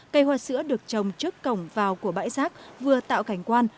cây hoa sữa được trồng trước cổng vào của bãi rác vừa tạo cảnh quan